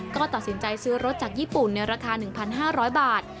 ก็ตัดสินใจซื้อรถจากญี่ปุ่นในราคา๑๕๐๐บาท